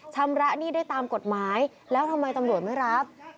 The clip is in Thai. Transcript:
ชำระหนี้ได้ตามกฎหมายแล้วทำไมตำรวจไม่รับ